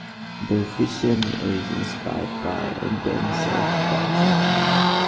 The vision is inspired by intense self-torture.